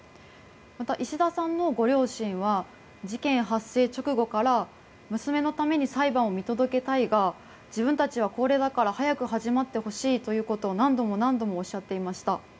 また石田さんのご両親は事件発生直後から娘のために裁判を見届けたいが自分たちは高齢だから早く始まってほしいということを何度も何度もおっしゃっていました。